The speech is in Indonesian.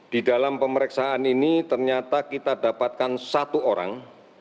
di dalam pemeriksaan ini ternyata kita dapatkan satu orang